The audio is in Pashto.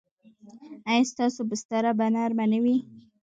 ایا ستاسو بستره به نرمه نه وي؟